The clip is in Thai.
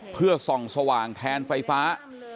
เพื่อส่องสว่างแทนไฟฟ้า